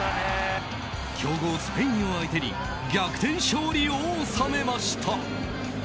強豪スペインを相手に逆転勝利を収めました。